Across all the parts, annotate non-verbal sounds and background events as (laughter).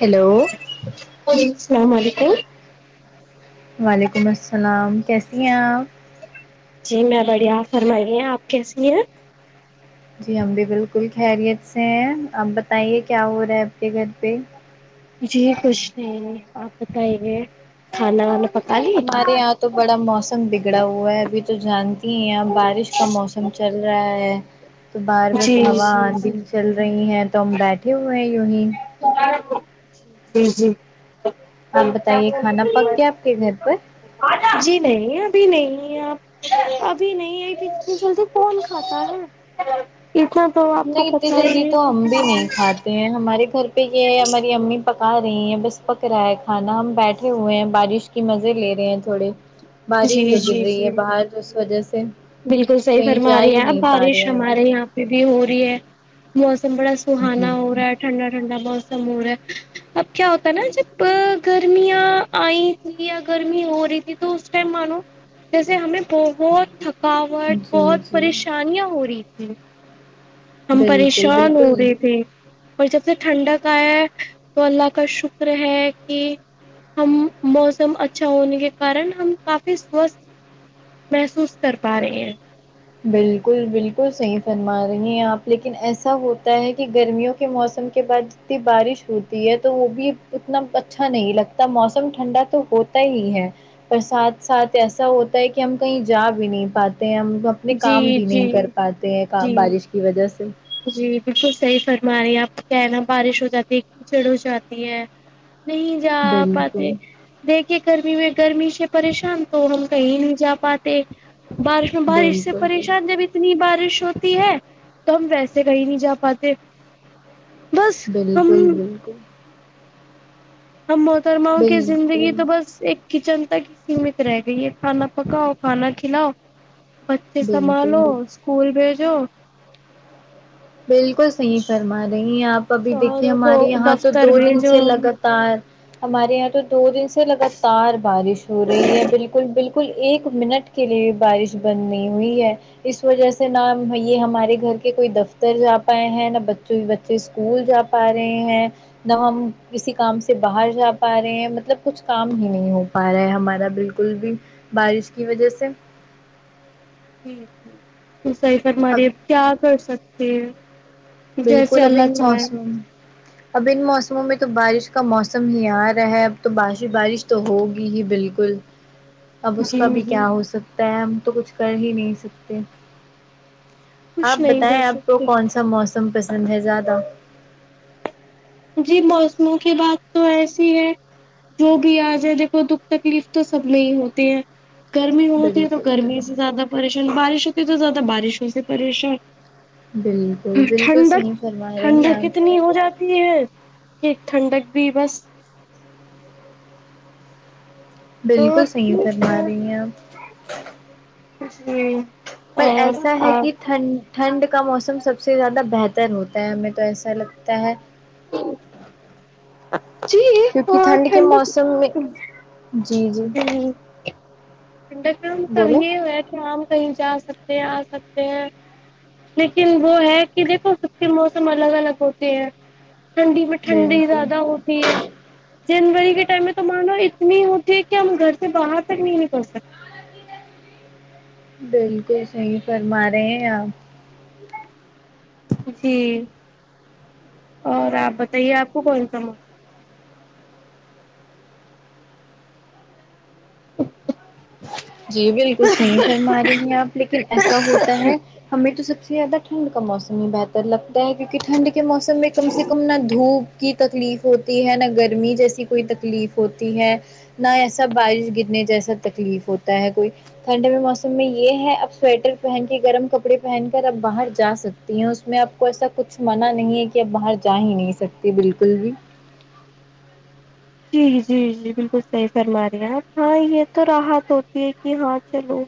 hello ولیکم السلام علیکم وعلیکم السلام کیسی ہیں آپ جی میں بڑھیا آپ فرمایے آپ کیسی ہیں جی ہم بھی بالکل خیریت سے ہیں آپ بتائیے کیا ہو رہا ہے آپ کے گھر پہ جی کچھ نہیں آپ بتائیے کھانا وانا پک ہمارے یہاں تو بڑا موسم بگڑا ہوا ہے ابھی تو جانتی ہیں آپ بارش کا موسم چل رہا ہے تو بار جی بس جی ہوا اندی جی چل رہی ہیں تو ہم بیٹھے ہوئے ہیں یوہی جی جی آپ بتائیے کھانا پک گیا آپ کے گھر پر جی جی نہیں ابھی نہیں آپ ابھی نہیئ اتنی جلدی کون کھاتا ہے اتنا تو آپ کو نہیں اتنی پتہ جلدی ہی ہے تو ہم بھی نہیں کھاتے ہمارے گھر پہ یہ ہے ہماری امی پکا رہی ہیں بس پک رہا ہے کھانا ہم بیٹھے ہوئے ہیں بارش کی مزے لے رہے ہیں تھوڑے بارش جی جو گر جی رہی ہے جی باہر اس وجہ سے بالکل صحیح کہیں فرما جا رہی ہی ہے نہیں آپ پا رہے بارش ہیں ہمارے یہاں ابھی بی ہو رہی ہے موسم بڑا جی سہانا ہو رہا ہے ٹھنڈا ٹھنڈا موسم ہو رہا ہے اب کیا ہوتا ہے نا جب گرمیاں آئی تھی یا گرمی ہو رہی تھی تو مانو جیسے ہمیں بہت تھکاوٹ جی بہت جی پریشانیاں ہو رہی ہم بالکل پریشان ہو بالکل رہے تھے اور جب سے ٹھنڈک آیا تو اللہ کا شکر ہے کہ ہم موسم اچھا ہونے کے کارن ہم کافی سوستھ محسوس کر پا رہے ہیں بالکل بالکل صحیح فرما رہی ہیں آپ لیکن ایسا ہوتا ہے کہ گرمیوں کے موسم کے بعد کی بارش ہوتی ہے تو وہ بھی اتنا اچھا نہیں لگتا موسم ٹھنڈا تو ہوتا ہی ہے پر ساتھ ساتھ ایسا ہوتا ہے کہ ہم کہیں جا بھی نہیں پاتے ہیں ہم اپنے کام جی بھی نہیں کر جی پاتے ہیں کام جی بارش کی وجہ سے جی بالکل صحیح فرما رہی ہیں آپ کیا ہے نا بارش ہو جاتی ہے کیچڑ ہو جاتی ہے نہیں جا بالکل پاتے دیکھیے گرمی میں گرمی سے پریشان تو ہم کہیں نہیں جا پاتے بارش میں بارش سے بالکل پریشان جب اتنی بارش ہوتی ہے تو ہم ویسے کہیں نہیں جا پاتے بس ہم بالکل بالکل ہم محترماں کی زندگی بالکل تو بس ایک کچن تک ہی سیمت رہ گئی ہے کھانا پکاؤ کھانا کھلاؤ بچے سنبھالو بالکل اسکول بھیجو بالکل صحیح فرما رہی ہیں آپ ابھی دیکھیے شوہروں کو ہمارے یہاں تو دفتر دو دن سے بھیجو لگاتار ہمارے یہاں تو دو دن سے لگاتار بارش ہو رہی ہے بالکل بالکل کل ایک منٹ کے لیے بارش بند نہیں ہوئی ہے اس وجہ سے نہ یہ ہمارے گھر کے کوئی دفتر ار جا پائے ہیں نہ بچوں بچے اسکول جا پا رہے ہیں ن ہم کسی کام سے باہر جا پا رہے ہیں مطلب کچھ کام ہی نہیں ہو پا رہا ہے ہمارا بالکل بھی بارش کی وجہ سے جی جی تم صحیح فرمارہی ہے اب کیا کر سکتے ہیں جیسے بالکل ابھی اللہ بھی چاہے موسم اب ان موسموں میں تو بارش کا موسم ہی آ رہا ہے اب تو بارش بارش تو ہوگی ہی بالکل اب اس جی کا بھی جی کیا ہو سکتا ہے ہم تو کچھ کر ہی نہیں سکتے آپ کچھ نہیں کر بتائیں آپ کو سکتے کون سا موسم پسند ہے زیادہ جی موسموں کی بات تو ایسی ہے جو بھی آجاے دیکھو دکھ تکلیف تو سب میں ہی ہوتے ہیں گرمی ہوتی ہے تو بالکل گرمی بالکل سے زیادہ پریشان بارش ہوتی ہے تو زیادہ بارشوں سے پریشان بالکل بالکل ٹھنڈک صحیح فرما رہی ہیں ٹھنڈک آپ کتنی ہو جاتی ہے کہ ٹھنڈک بھی بس بالکل صحیح فرما رہی ہیں آپ کچھ نہیں پر ایسا ہے کہ ٹھنڈ ٹھنڈ کا موسم سب سے زیادہ بہتر ہوتا ہے ہمیں تو ایسا لگتا تا ہے جی کیونکہ ہاں ٹھنڈ کے موسم سب میں ٹھنڈک جی جی ٹھنڈک مے بولے یہ ہے کہ ہم کہیں جا سکتے ہیں آ سکتے ہیں لیکن وہ ہے کہ دیکھو سب کے موسم الگ الگ ہوتے ہیں ٹھنڈی میں ٹھنڈی بالکل زیادہ ہوتی ہے جنوری کے ٹائم میں تو مان لو اتنی ہوتی ہے کہ ہم گھر سے باہر تک نہیں نکل سکتے بالکل صحیح فرما رہے ہیں آپ جی اور آپ بتائیے آپ کو کون سا م (unintelligible) جی بالکل صحیح فرما رہی ہیں آپ لیکن ایسا ہوتا ہے ہمیں تو سب سے زیادہ ٹھنڈ کا موسم ہی بہتر لگتا ہے کیونکہ ٹھنڈ کے موسم میں کم سے کم نہ دھوپ کی تکلیف ہوتی ہے نہ گرمی جیسی کوئی تکلیف ہوتی ہے نہ ایسا بارش گرنے جیسا تکلیف ہوتا ہے کوئی ٹھنڈ میں موسم میں یہ ہے اب سویٹر پہن کے گرم کپڑے پہن کر اب باہر جا سکتے تی ہیں اس میں آپ کو ایسا کچھ منع نہیں ہے کہ آپ باہر جا ہی نہیں سکتی بالکل بھی جی جی جی بالکل صحیح فرما رہی ہیں آپ ہاں یہ تو راحت ہوتی ہے کہ ہاں چلو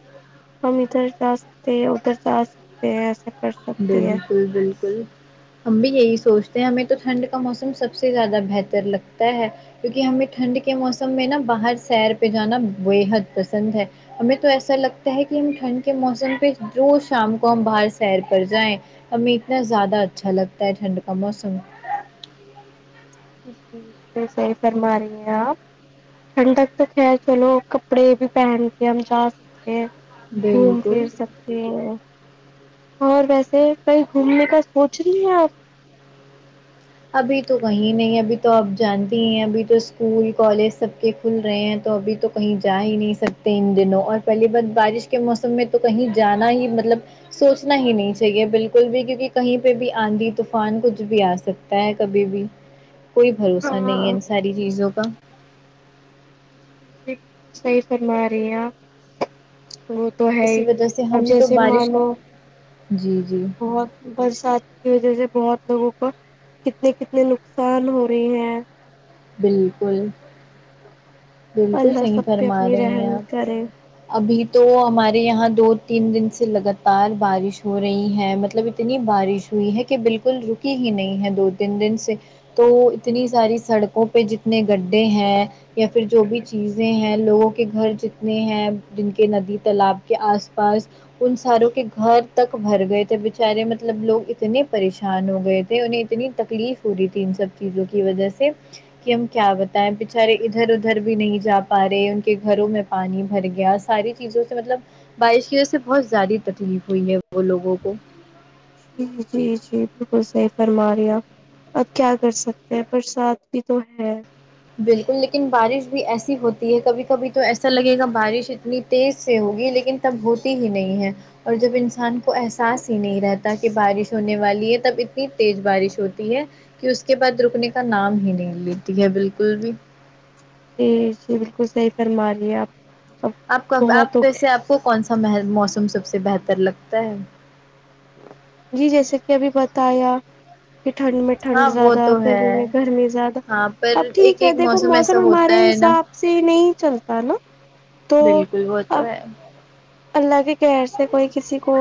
ہم ادھر جا سکتے ہیں ادھر جا سکتے ہیں ایسا کر سکتے ہیں بالکل بالکل ہم بھی یہی سوچتے ہیں ہمیں تو ٹھنڈ کا موسم سب سے زیادہ بہتر لگتا ہے کیونکہ ہمیں ٹھنڈ کے موسم میں نا باہر سیر پہ جانا بےحد پسند ہے ہمیں تو ایسا لگتا ہے کہ ہم ٹھنڈ کے موسم پہ روز شام کو ہم باہر سیر پر جائیں ہمیں اتنا زیادہ اچھا لگتا ہے ٹھنڈ کا موسم جی صحیح فرما رہی ہیں آپ ٹھنڈک تو خیر چلو کپڑے بھی پہن کے ہم جا سکتے ہیں گھوم بالکل پھر سب ہے اور ویسے کہئی گھومنے کا سوچ رہی ہیں آپ ابھی تو کہیں نہیں ابھی تو آپ جانتی ہی ہیں ابھی تو اسکول کالج سب کے کھل رہے ہیں تو ابھی تو کہیں جا ہی نہیں سکتے ان دنوں اور پہلی بات بارش کے موسم میں تو کہیں جانا ہی مطلب سوچنا ہی نہیں چاہیے بالکل بھی کیونکہ کہیں پہ بھی آندھی طوفان کچھ بھی آ سکت تا ہے کبھی بھی کوئی بھروسہ ہاں نہیں ہے ان ساری چیزوں کا جی بالکل صحیح فرما رہی ہیں آپ وه تو ہے اسی وجہ سے اور ہم تو جیسے بارش مانو جی جی بہت برسات کی وجہ سے بہت لوگوں کو کتنے کتنے نقصان ہو رہی ہیں بالکل بالکل اللہ صحیح سب پہ فرما اپنی رہے ہیں رحم آپ کرے ابھی تو ہمارے یہاں دو تین دن سے لگاتار بارش ہو رہی ہے مطلب اتنی بارش ہوئی ہے کہ بالکل رکی ہی نہیں ہے دو تین دن سے تو اتنی ساری سڑکوں پہ جتنے گڈھے ہیں یا پھر جو بھی چیزیں ہیں لوگوں کے گھر جتنے اپنے ہیں جن کے ندی تالاب کے آس پاس ان ساروں کے گھر تک بھر گئے تھے بچارے مطلب لوگ اتنے پریشان ہو گئے تھے انہیں اتنی تکلیف ہو رہی تھی ان سب چیزوں کی وجہ سے کہ ہم کیا بتائیں بچارے ادھر ادھر ادھر بھی نہیں جا پا رہے ان کے گھروں میں پانی بھر گیا ساری چیزوں سے مطلب بارش کی وجہ سے بہت زیادہ تکلیف ہوئی ہے وہ لوگوں کو جی جی جی بالکل صحیح فرما رہی ہو اپ اب کیا کر سکتے ہیں برسات بھی تو ہے بالکل لیکن بارش بھی ایسی ہوتی ہے کبھی کبھی تو ایسا لگے گا بارش اتنی تیز سے ہوگی لیکن تب ہوتی ہی نہیں ہے اور جب انسان کو احساس ہی نہیں رہتا کہ بارش ہونے والی ہے تب اتنی تیز بارش ہوتی ہے کہ اس کے بعد رکنے کا نام ہی نہیں لیتی ہے بالکل بھی جی جی بالکل صحیح فرما رہی ہے آپ اب آپ کا بہت ہو آپس آپ کو کون سا موسم سب سے بہتر لگتا ہے جی جیسے کہ ابھی بتایا کہ ٹھنڈ میں ٹھنڈ ہاں وہ زیادہ تو گرمی ہے میں گرمی زیادہ ہاں پر اب ایک ٹھیک ہے ایک دیکھو ایسا موسم ہوتا ہمارے ہے نا حساب سے نہیں چلتا ہے نا تو بالکل وہ تو اب ہے اللہ کے کہر سے کوئی کسی کو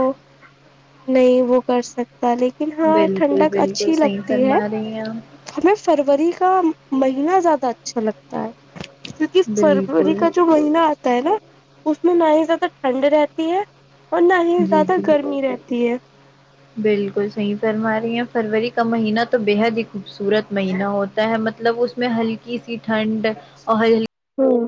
نہیں وہ کر سکتا لیکن ہاں بالکل ٹھنڈک بالکل اچھی صحیح لگتی ہے فرما رہی ہیں آپ ہمیں فروری کا مہینہ زیادہ اچھا لگتا ہے کیونکہ فروری بالکل کا جو مہینہ آتا ہے نا اس میں نہ ہی زیادہ ٹھنڈ رہتی ہے اور نہ ہی جی زیادہ جی گرمی رہتی ہے بالکل صحیح فرما رہی ہیں فروری کا مہینہ تو بے حد ہی خوبصورت مہینہ ہو ہے مطلب اس میں ہلکی سی ٹھنڈ اور ہلکی ہاں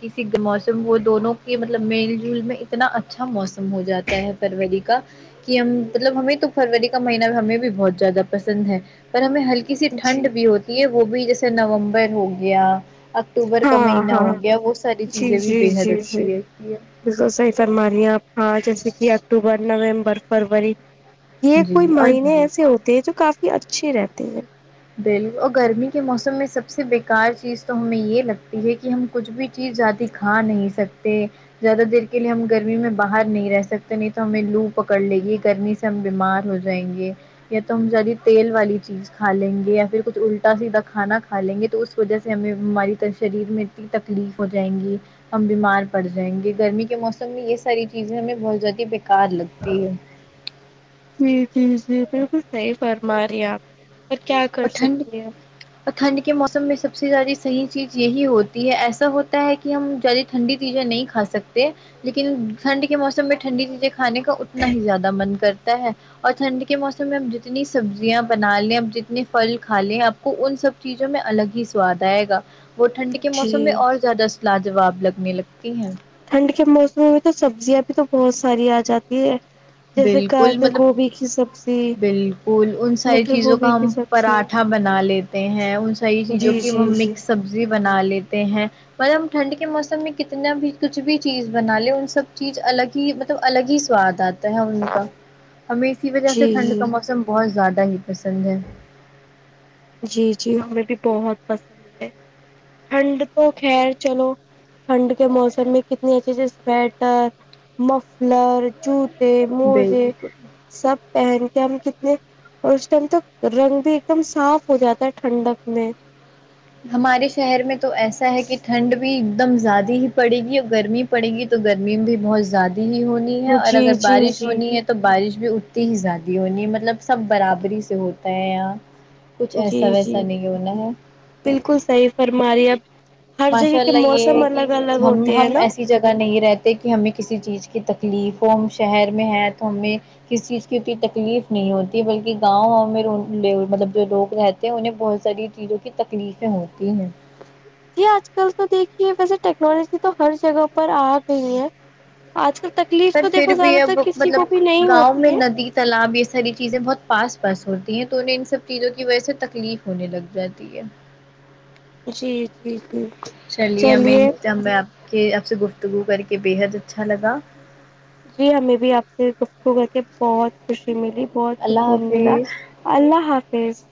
کسی موسم وہ دونوں کے مطلب میل جل میں اتنا اچھا موسم ہو جاتا ہے فروری کا کہ ہم مطلب ہمیں تو فروری کا مہینہ ہمیں بھی بہت زیادہ پسند ہے پر ہمیں ہلکی کسی ٹھنڈ جی بھی ہوتی ہے وہ بھی جیسے نومبر ہو گیا اکتوبر کا ہاں مہینہ ہاں ہو گیا وو ساری جی چیزیں بھی جی بےحد جی جی اچھی ہے بالکل صحیح فرمارہی آپ ہاں جیسے کہ اکتوبر نومبر فروری یہ جی کوئی اور مہینہ ایسے ہوتے ہیں جو کافی اچھے رہتے ہیں بالکل اور گرمی کے موسم میں سب سے بیکار چیز تو ہمیں یہ لگتی ہے کہ ہم کچھ بھی چیز زیادہ کھا نہیں سکتے زیادہ دیر کے لیے ہم گرمی میں باہر نہیں رہ سکتے نہیں تو ہمیں لو پکڑ لے گی گرمی سے ہم بیمار ہو جائیں گے یا تو ہم زیادی تیل والی چیز کھا لیں گے یا پھر کچھ الٹا سیدھا کھا کا لیں گے تو اس وجہ سے ہمیں ہماری شریر میں تکلیف ہو جائیں گی ہم بیمار پڑ جائیں گے گرمی کے موسم میں یہ ساری چیزیں ہمیں بہت زیادی بیکار لگ جی جی جی بالکل صحیح فرما رہی آپ اور کیا کر اور ٹھنڈ سکتے ہیں اور ٹھنڈ کے موسم میں سب سے زیادہ صحیح چیز یہی ہوتی ہے ایسا ہوتا ہے کہ کہ ہم زیادہ ٹھنڈی چیزیں نہیں کھا سکتے لیکن ٹھنڈ کے موسم میں ٹھنڈی چیزیں کھانے کا اتنا ہی زیادہ من کرتا ہے اور ٹھنڈ کے موسم میں ہم جتنی سبزیاں بنا لیں اب جتنی پھل کھا لیں آپ کو ان سب چیزوں میں الگ ہی سواد آئے گا وہ ٹھنڈ کے جی موسم میں اور زیادہ لاجاب لگنے لگتی ہیں ٹھنڈ کے موسم میں تو سبزیاں بھی تو بہت ساری آ جاتی ہے جیسے بالکل گجر مطلب گوبھی کی سبزی بالکل ان ساری مٹر چیزوں گوبھی کا کی ہم سبزی پراٹھا بنا لیتے ہیں ان ساری چیزوں جی کی جی وہ جی جی مکس سبزی بنا لیتے ہیں مطب ہم ٹھنڈ کے موسم میں کتنا بھی کچھ بھی چیز بنا لے ان سب چیز الگ ہی تو الگ ہی سواد آتا ان کا ہمیں اسی وجہ سے ٹھنڈ کا جی موسم بہت زیادہ ہی پسند ہے جی جی ہمیں بھی بہت پسند ہے ٹھنڈ تو خیر چلو ٹھنڈ کے موسم میں کتنی اچھے اچے سویٹر مفلر جو ت موجے بالکل سب پہن کے ہم کتنے اور اس ٹائم تو رنگ بھی ایک دم صاف ہو جاتا ہے ٹھنڈک میں ہمارے شہر میں تو ایسا ہے کہ ٹھنڈ بھی ایک دم زیادہ ہی پڑے گی اور گرمی پڑے گی تو گرمی بھی بہت زیادہ ہی ہونی ہے اور جی اگر جی بارش جی ہونی ہے تو بارش بھی اتتی ہی زیادہ ہونی مطلب سب برابری سے ہوتا ہے یہاں کچھ جی ایسا جی ویسا نہیں ہونا ہے بالکل صحیح فرم رہ اب ماشاء اللہ یہ ہے کہ ہم ہوتے ہیں ہم نا ایسی جگہ نہیں رہتے کہ ہمیں کسی چیز کی تکلیف ہو ہم شہر میں ہے تو ہمیں کسی چیز کی اتنی تکلیف نہیں ہوتی ہے بلکہ گاؤں میں مطلب جو لوگ رہتے ہیں انہیں بہت ساری چیزوں کی تکلیفیں ہوتی ہیں جی آج کل تو دیکھیے ویسے ٹیکنالوجی تو ہر جگہ پر آ گئی ہے آج کل تکلیف پر تو پھر دیکھو بھی زیادہ تر اب کسی مطلب کو بھی نہیں گاؤں ہوتی میں ہیں ندی تالاب یہ ساری چیزیں بہت پاس پاس ہوتی ہیں تو انہیں ان سب چیزوں کی وجہ سے تکلیف ہونے لگ جاتی ٹھیک ہے جی جی جی چلیے کہ آپ سے گفتگو کر کے بےحد اچھا لگا جی ہمیں بھی آپ سے گفتگو کر کے بہت خوشی ملی بہت اللہ سکون ملا حافظ اللہ حافظ